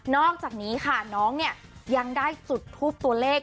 อกจากนี้ค่ะน้องเนี่ยยังได้จุดทูปตัวเลข